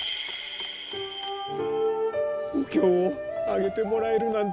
お経をあげてもらえるなんて。